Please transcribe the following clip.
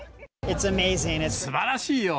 すばらしいよ！